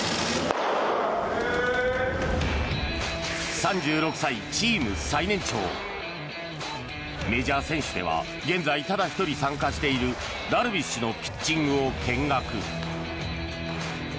３６歳、チーム最年長メジャー選手では現在、ただ１人参加しているダルビッシュのピッチングを見学。